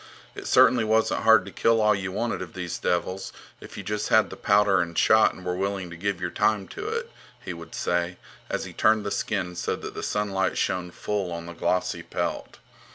It certainly wasn't hard to kill all you wanted of these devils, if you just had the powder and shot and were willing to give your time to it, he would say, as he turned the skin so that the sunlight shone full on the glossy pelt.